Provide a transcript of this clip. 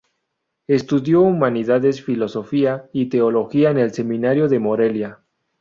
Estudió Humanidades, Filosofía y Teología en el Seminario de Morelia.